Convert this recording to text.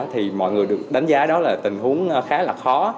thì mọi người được đánh giá đó là tình huống khá là khó